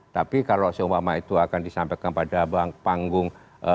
tapi kalau seumpama itu akan disampaikan pada panggung